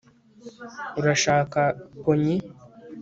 urashaka pony